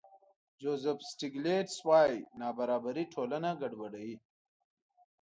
جوزف سټېګلېټز وايي نابرابري ټولنه ګډوډوي.